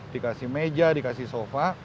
dikasih meja dikasih sofa